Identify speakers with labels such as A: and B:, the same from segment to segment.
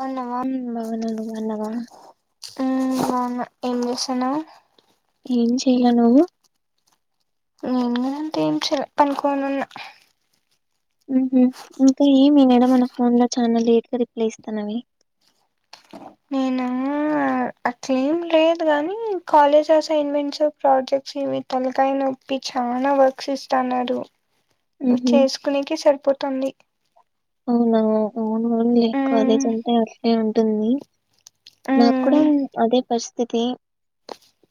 A: బాగున్నావా
B: ఉ భవనాలు కొన్నావా
A: బవునా ఏం చేస్తున్నావు
B: ఏం చెయలే నువ్వు
A: నేను అంతే ఏం చేయాలె పనుకోనున్నా
B: ఇంకా ఏమి మేడం మన ఫోన్ లో చాలా లేట్ గా రిప్లై ఇస్తానవి
A: నేనా అట్లేం లేదు గానీ కాలేజ్ అసైన్మెంట్స్ ప్రాజెక్ట్స్ ఇవి తలకాయ నొప్పి చానా వర్క్స్ ఇస్తాన్నారు
B: ఉ అవునువు అవునువు కాలేజ్
A: మ్మ్
B: అంతా అట్లే ఉంట తుంది నా కూడా
A: మ్మ్
B: అదే పరిస్థి థితి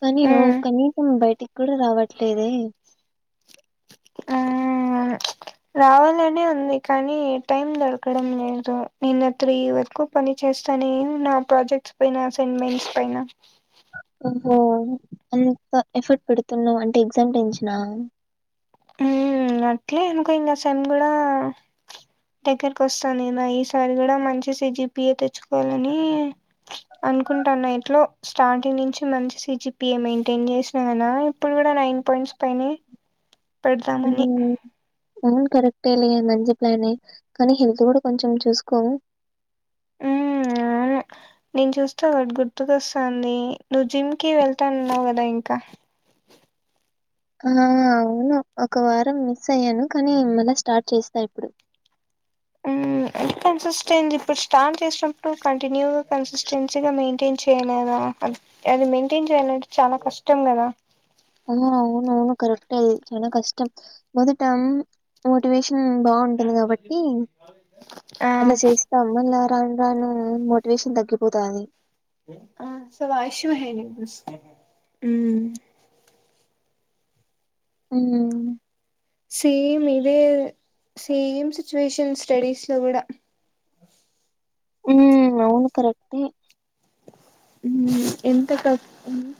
B: కానీ నువ్వు
A: మ్మ్
B: కనీసం బయటికి కూడా రావట్లేదు
A: ఆ రావాలనే ఉంది కానీ టైం దొరకడం లేదు నిను తీ వరకు పని చేస్తానే నా ప్రాజెక్ట్స్ పైన అసైన్మెంట్స్ పైన
B: అంత ఎఫర్ట్ పెడుతున్నా అంటే ఎగ్జామ్ పెంచిన
A: అట్లే అనుకో ఇంకా సెమ్ కూడా దగ్గరకి వస్తాంది కద ఈసారి కూడా మంచి సిజిపిఏ తెచ్చుకోవాలని అనుకుంటాన్న ఇట్లో స్టార్టింగ్ నుంచి మంచి సిజిపిఏ మెయింటైన్ చేసినా కద ఇప్పుడు కూడా నైన్ పాయింట్స్ పైన పెడతామని
B: హ్మ్. అవును కరెక్టే లే మంచి ప్లానే కానీ హెల్త్ కూడా కొంచెం చూసుకో
A: మ్మ్ నేను చూస్తా ఒకట్టి గుర్తుకోస్తాంది నువ్వు జిమ్ కి వెళ్తానున్నావు కదా ఇంకా
B: ఆ అవును ఒక వారం మిస్ అయ్యాను కానీ మళ స్టార్ట్ చేస్తా ఇప్పుడు
A: అది కన్సిస్టెన్సీ ఇప్పుడు స్టార్ట్ చేసినప్పుడు కంటిన్యూగా కన్సిస్టెన్సీగా మెయింటైన్ చేయలేదా అ అది మెయింటైన్ చేయాలంటే చాలా కష్టం కదా
B: అవును అవును కరెక్ చాలా కష్టం మొదట మోటివేషన్ బాగుంటుంది కాబట్టి
A: ఆ
B: అలా చేస్తాం ను రాను మోటివేషన్ తగ్గిపోతాంది
A: [unintelligible]
B: మ్మ్
A: సేమ్ ఇదే సేమ్ [unintelligible] [unintelligible] స్టడీస్ లో కూడా
B: ఉ అవును కరెక్ ఏ
A: ఎంత క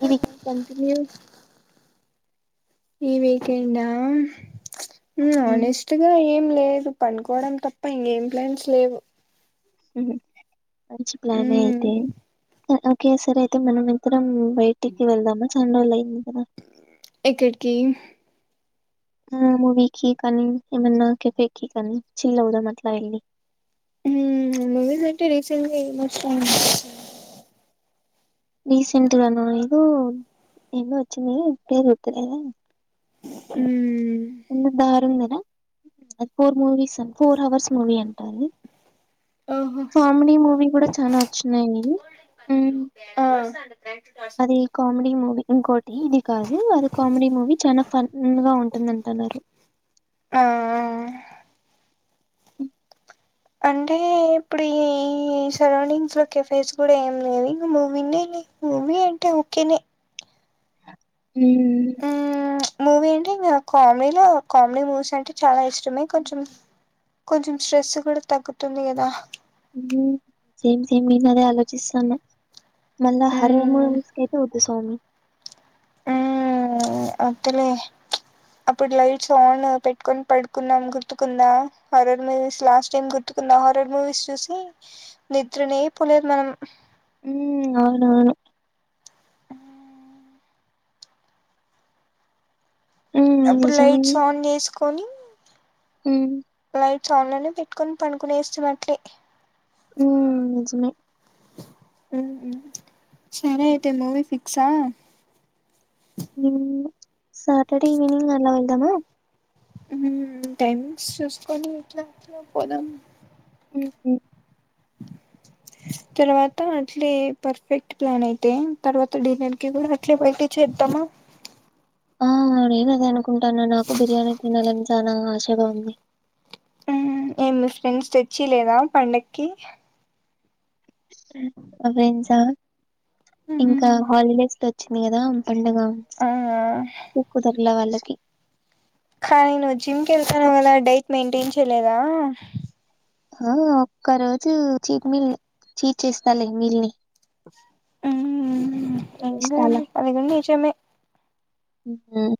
B: ఇది
A: కంటిన్యూ ఈ వీక్ ఎండ్ ఆ
B: హ్మ్
A: హానెస్ట్ గా ఏం లేదు పనుకోవడం తప్ప ఇంకేం ప్లాన్స్ లేవు
B: మ్మ్ మంచి ప్లాన్
A: మ్మ్
B: అయితే ఓకే సార్ అయితే మనం ఎంత బయటికి వెళ్దామ చండలైని
A: ఎక్కడికి
B: ఆ మువీకి కనీ ఏమన్నా [unintelligible] కనీ చిల్ అవుదాం అట్లా వెళ్ళి
A: మూవీస్ అంటే రీసెంట్ మ
B: రీసెంట్ గాన ఏదో ఎన్న వచ్చంది పేరు గుర్తులేద
A: మ్మ్
B: ధరుంధర్ ఫోర్ మూవీస్ అం ఫోర్ అవర్స్ మూవీ అంటా ఆది
A: ఓహో
B: కామెడీ మూవీ కూడా చాల వచ్చన్నాయి
A: ఆ
B: అది కామెడి మూవీ ఇంకోటి ఇది కాదు అది కామెడీ మూవీ చాల ఫన్ గా ఉంటుంది అంటున్నారు
A: ఆ మీ సరౌండింగ్స్ లో కెఫేస్ కూడా ఏం లేవు ఇంక మూవీనే మూవీ అంటే ఓకేనే
B: మ్మ్
A: మ్మ్ మూవీ అంటే ఇంకా కామెడీలో కామెడీ మూవీస్ అంటే చాలా ఇష్టమే కొంచెం కొంచెం స్ట్రెస్ కూడా తగ్గుతుంది కదా
B: సేమ్ సేమ్ నేను అదే ఆలోచిస్తాన మల్ల హారర్
A: మ్మ్
B: మూవీస్ అయితే [unintelligible] [unintelligible]
A: అంతలే అప్పుడు లైట్స్ ఆన్ పెట్టుకొని పడుకున్నాం గుర్తుకుందా హరర్ మూవీస్ లాస్ట్ టైం గుర్తుకుందా హర్రర్ మూవీస్ చూసి నిద్రనే పోలేదు మనం
B: ఉ అవును అవును హ్మ్.
A: అప్పుడు లైట్స్ ఆన్ చేసుకొని
B: మ్మ్
A: [unintelligible] ఆన్ లోనే పెట్టుకొని పనుకునేస్తూమి అట్లే
B: ఉ నిజమే
A: సరే అయితే మూవి ఫిక్సా
B: సాటర్డే ఈవినింగ్ అలా వెళ్దామా
A: ఉ టైమింగ్స్ చూసుకొని ఎట్లా అట్లా పోదాం
B: ఉ
A: తర్వాత అట్లే పర్ఫెక్ట్ ప్లాన్ అయితే తర్వాత డిన్నర్ కి కూడా అట్లే బయటి చేద్దామా
B: ఆ నేను అదే అనుకుంటానా నాకు బిర్యానీ తినాలని చాలా ఆశగా ఉంది
A: ఏ మీ ఫ్రెండ్స్ తెచ్చి ఇలేదా పండగకి
B: మా ఫ్రెండ్స్ ఆ ఇంకా హాలిడేస్ లో చ్చింది గదా పండగ
A: ఆ
B: కుదర్లా వాళ్ళ కి
A: కానీ నువ్వు జిమ్కి వెళ్తానవ్ కదా డైట్ మెయింటైన్ చేయలేదా
B: ఆ ఒక్క రోజు చీట్ ని చీట్ చేస్తాలె ఇంగెళ్ళి
A: హ్మ్ అది నిజమే
B: హ్మ్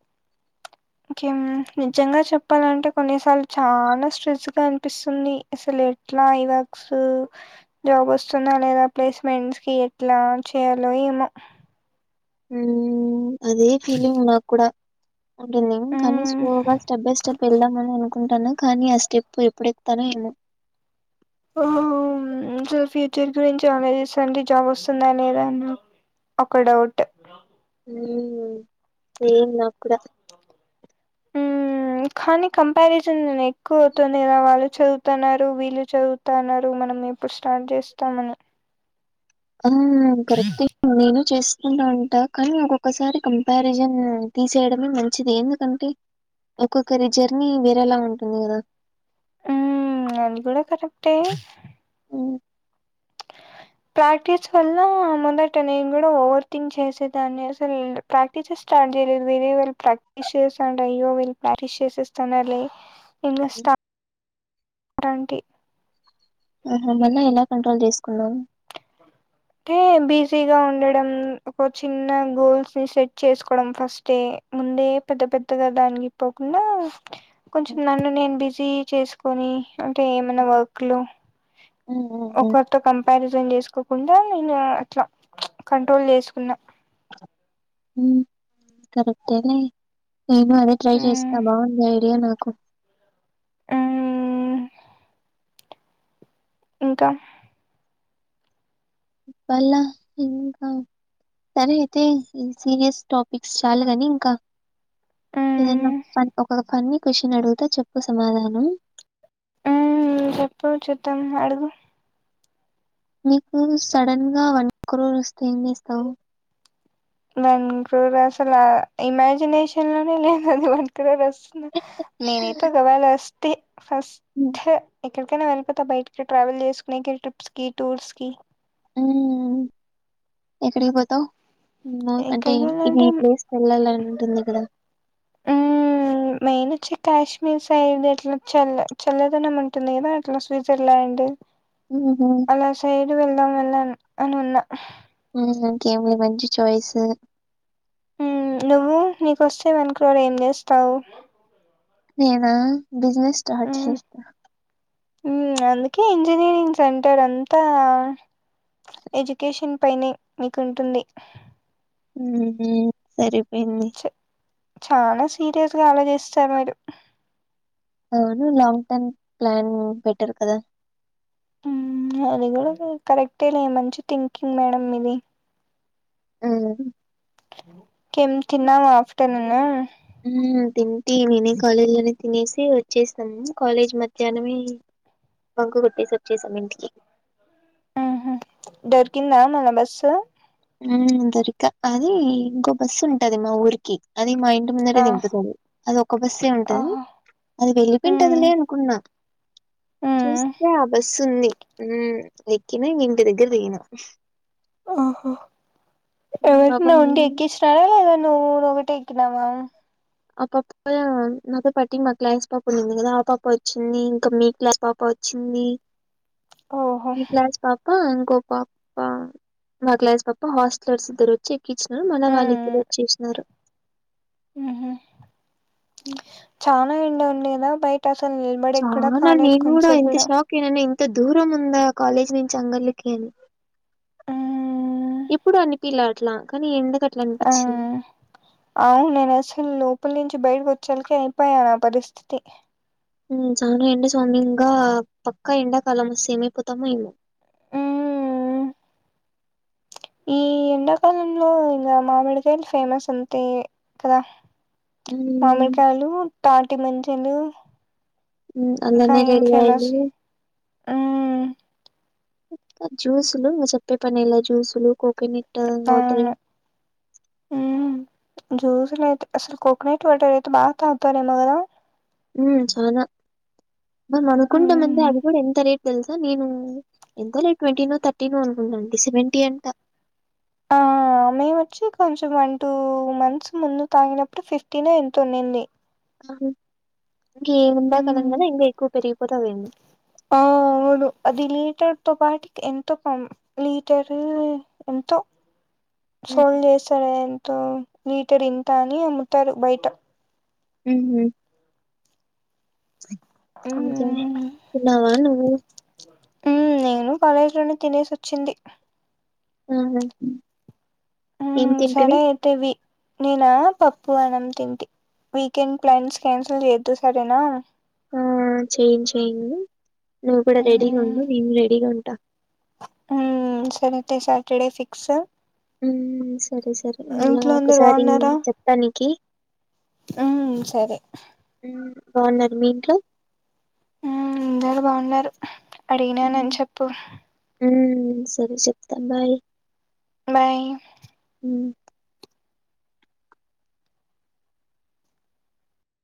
A: కే నిజంగా చెప్పాలంటే కొన్నిసార్లు చాలా స్ట్రెస్ గా అనిపిస్తుంది అసలు ఎట్లా ఇ వర్క్స్ జాబ్ వస్తుందా లేదా ప్లేస్మెంట్స్ కి ఎట్లా చేయాలో ఏమో
B: హ్మ్ అదే ఫీలింగ్ నాకు కూడా అంటుంది కానీ స్లోగా స్టెప్ బై స్టెప్ వెళ్దామని అనుకుంటానా కానీ ఆ స్టెప్పు ఎప్పుడు ఎకుతానో ఏమో
A: ఓ మ్ అసలు ఫ్యూచర్ గురించి ఆలోచిస్తాంటే జాబ్ వస్తుంద లేద అన్న ఒక డౌట్
B: హమ్ సేమ్ నాక్ కూడా
A: హ్మ్ కానీ కంపారిజన్ నేను ఎక్కువ అవుతుంది కదా వాళ్ళు చదువుతున్నారు వీళ్ళు చదువుతన్నారు మనం ఎప్పుడు స్టార్ట్ చేస్తామని
B: హ్మ్ కరెక్టే నేను చేస్త ఉంటా కానీ ఒక్కొక్కసారి కంపారిజన్ తీసేయడమే మంచిది ఎందుకంటే ఒక్కొక్కరి జర్నీ వేరేలా ఉంటుంది కదా
A: హ్మ్ అది కూడా కరెక్టే
B: హ్మ్
A: ప్రాక్టీస్ వల్ల మొదట నేను కూడా ఓవర్ థింక్ చేసేదాన్ని అసలు ప్రాక్టీసే స్టార్ట్ చేయలేదు వేరే వాళ్ళు ప్రాక్టీస్ చేస్తంట అయ్యో వీళ్ళు ప్రాక్టీస్ చేసేస్తన్నారే ఇంగ స్టార్ అరంటి
B: మళ్ళ ఎలా కంట్రోల్ చేసుకున్నావ్
A: అంటే బిజీగా ఉండడం ఒక చిన్న గోల్స్ ని సెట్ చేసుకోవడం ఫస్టే ముందే పెద్ద పెద్దగా దానికి పోకుండా కొంచెం నన్ను నేను బిజి చేసుకొని అంటే ఏమైనా వర్క్ లో ఒకరితో కంపారిజన్ చేసుకోకుండా నేను అట్లా కంట్రోల్ చేసుకున్నా
B: హ్మ్ కరెక్టేలే నేను అదే ట్రై చేస్తా
A: మ్మ్
B: బాగుంది ఐడియా నాకు
A: మ్మ్ ఇంకా
B: వాళ్ళ ఇంకా సరే అయితే ఈ సీరియస్ టాపిక్స్ చాలు కాని ఇంకా ఏదనా
A: మ్మ్
B: ఒక ఫన్నీ క్వశ్చన్ అడుగుతా చెప్పు సమాధానం
A: మ్మ్ చెప్పు చూద్దాం అడుగు
B: నీకు సడన్ గా వన్ క్రోర్ వస్తే ఏమ్చేస్తావ్
A: వన్ క్రోర్ అసలు ఇమాజినేషన్ లోనే లేదు అది వన్క్రూర్ అస నేనయితే ఒకవాల వస్ తే ఫస్ట్ ఎక్కడికైనా వెళ్ళిపోతా బయటకి ట్రావెల్ చేసుకునేకి ట్రిప్స్ కి టూర్స్ కి
B: మ్మ్ ఎక్కడికి పోతామ్ ఆ అంటే
A: ఎక్కడికి
B: ఇది
A: వెళ్ళాలంటే
B: ఈ ప్లేస్కి వెళ్లాలన్ ఉంటుంది ఇక్కడ
A: మ్మ్ మెయిన్ వచ్చి కాశ్మీర్ సైడ్ అట్లా చల్ల చల్లదనం ఉంటుంది కదా అట్లా స్విజర్లాండ్
B: ఉహు
A: అలా సైడ్ వెళ్దాం అన్నాను అ ఉన్నా
B: మ్మ్ ఓకే మంచి ఛాయిస్
A: మ్మ్ నువ్వు నీకొస్తే వన్ క్రోర్ ఏం చేస్తావు
B: నేనా బిజినెస్ స్టార్ట్
A: మ్మ్
B: చేస్తా
A: మ్మ్ అందుకే ఇంజనీరింగ్ సెంటర్ అంతా ఎజుకేషన్ పైన మీకుంటుంది
B: మ్మ్ హ్మ్ సరే వెళ్ళి
A: చానా సీరియస్గా ఆలోచిస్తారు మీరు
B: అవును లాంగ్ టర్మ్ ప్లాన్ బెటర్ కదా
A: మ్మ్ అది కూడా కరెక్టే లే మంచి థింకింగ్ మేడం మీది
B: మ్మ్
A: ఇంకేం తిన్నావా ఆఫ్టర్నూనూ
B: మ్మ్ తింటి నేనే కాలేజ్ లోనే తినేసి వచ్చేశాము కాలేజ్ మధ్యానమే బంకు కొట్టేసి వచ్చేశాము ఇంటికి
A: మ్మ్ హ్మ్ దొరికిందా మల బస్సు
B: మ్మ్ దొరికా అది ఇంకో బస్సు ఉంటది మా ఊరికి అది మా ఇంటి ముందరే
A: ఆ
B: దింపుతుంది అది ఒక్క బస్సే ఉంటది
A: ఓహో
B: అది వెళ్ళి
A: మ్మ్
B: పోయింటాదిపే అనుకున్నా
A: మ్మ్
B: చూస్తే ఆ బస్సుంది మ్మ్ ఎక్కిన ఇంటి దగ్గర దిగిన
A: ఆహా ఎవరైనా ఉంటే
B: పాపం
A: ఎక్కించినారా లేదన్ నువ్వు ఒకటే ఎక్కినావ
B: ఆ పాప నాతో పటి మా క్లాస్ పాప ఉండింది కదా ఆ పాప వచ్చింది ఇంకా మీ క్లాస్ పాప వచ్చింది
A: ఓహో
B: మీ క్లాస్ పాప కో పాప మా క్లాస్ పాప హాస్టలర్స్ ఇద్దర వచ్చి ఎక్కించినారు మళ్ళ వాళ్ళిద్దర వచ్చేసినారు
A: మ్మ్ హ్మ్ చాన్ ల ఎండ ఉండెన బయట్
B: చానానే నేన్ గూడా ఇంత
A: కూడా
B: షాక్ ఏననే ఇం త దూరం ఉందా. కాలేజ్ నుంచి అంగల్లకి అని
A: మ్మ్
B: ఎప్పుడు అనిపిలా అట్లా కానీ ఎందుకట్
A: ఆహ్ అవును నేను అసలు లోపల్ నుంచి బయ్టికొత్ చల్కి అయిపోయా నా పరిస్థితి
B: ఉహ్ చానా ఎండ సోమ్యంగా. పక్కా ఎండాకాలం వస్తే ఏమైపోతామో ఏమో.
A: మ్మ్ ఈ ఎండాకాలంలో ఇంగా మామిడికాయల్ ఫేమస్ అంతే కదా. మామిడికాయలు, తాటి ముంజ్ టెన్నే
B: ఉమ్మ్ అందాంగ్నే రెడీ అయిళ్ళు.
A: మ్మ్
B: జ్యూస్లు సేప్పె పనేలా జ్యూస్లు కోకోనేట్ వాట్రెం
A: అవును జ్యూసుల్ అయితే అసల్ కోకోనట్ వాటరైతే బా తాగుతారేమో గాదా.
B: ఉహ్ చానా మనం అనుకుంటం అంటే
A: మ్మ్
B: అవి కూడా ఎంత రేట్ తెలుసా నేను ఎంతో లే ట్వంటీ నో, థర్టీ నో అనుకుట్న్నా. ది సెవెంటీ అంటా
A: ఆ మేము వచ్చి. కొంచెం వన్, టూ మంత్స్ ముందు తాగినప్పుడు ఫిఫ్టీన్ ఎంతో ఉండింది.
B: అవు ఇంక ఏం ఉండా కాలం
A: మ్మ్
B: గాద. ఇంకా ఎక్కువ పెరిగిపోతదేమో.
A: ఆ అవును అది లీటర్ తో బాటికి ఎంతో పం లీటరు ఎంతో ఫోన్ చేస్తాలేంద్ టార్ లీటర్ ఇంత అని అమ్ముతారు బయ్టా.
B: ఉమ్ హు ఇంకా
A: మ్మ్
B: తిన్నావా నువ్వు
A: ఉమ్ నేను కాలేజ్ లోనే తినేసి వచ్చింది.
B: ఆహ్ హ
A: ఉమ్ సండే అయితవి నేనా పప్పు, అన్నం తింటి. వీకెండ్ ప్లాన్స్ క్యాన్సిల్ చేయొద్దు. సరేనా
B: ఆ చెన్ చెను నువ్వు కూడా రెడీగా ఉండు. నేన్ రెడీగా ఉంటా.
A: ఉమ్ సరేతే సాటర్డే ఫిక్సా
B: ఉహ్మ్ సరే సరే మళ్ళా
A: అందరు
B: ఒకసారి చెప్పానికి
A: ఉం సరే
B: బావున్నారు. మీ ఇంట్లో
A: చాలా బాగున్నారు. అడిగిన్నని చెప్పు
B: ఉమ్ సరే చెప్తాన్ బాయ్
A: బాయ్
B: ఉహ్మ్